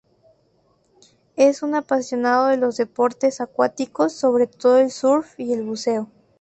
Es un apasionado de los deportes acuáticos, sobre todo el surf y el buceo.